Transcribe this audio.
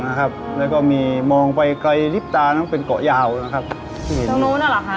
นะครับแล้วก็มีมองไปใกล้ริบตาน้องเป็นเกาะยาวนะครับตรงนู้นเหรอค่ะ